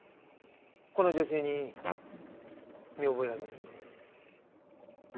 この女性に見覚えはありませんか？